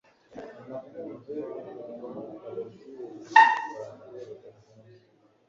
Nakunze umuntu ababyeyi banjye badakunda